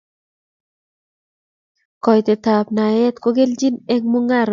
Koitaet ab naet kokelchin eng mung'areshek